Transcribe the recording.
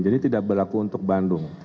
jadi tidak berlaku untuk bandung